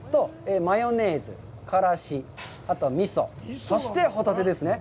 マヨネーズとからし、あと味噌、そしてホタテですね。